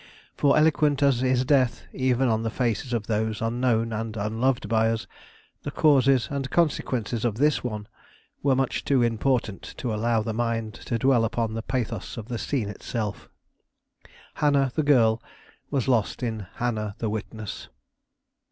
For eloquent as is death, even on the faces of those unknown and unloved by us, the causes and consequences of this one were much too important to allow the mind to dwell upon the pathos of the scene itself. Hannah, the girl, was lost in Hannah the witness.